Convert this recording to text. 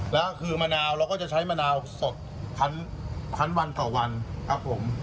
แล้วคือมะนาวเราก็จะใช้มะนาวสดคันวันต่อวันครับผม